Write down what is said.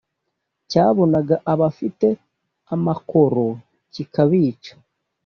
Cyabonaga abafite amakoro kikabica